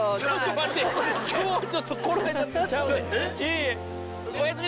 ちょっと待って。